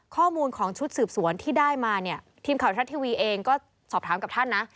ข้อมูลของชุดสืบสวนที่ได้มาเนี่ยทีมข่าวทรัฐทีวีเองก็สอบถามกับท่านนะ